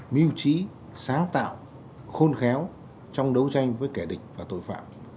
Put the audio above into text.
mưu trí sáng tạo khôn khéo trong đấu tranh với kẻ địch và tội phạm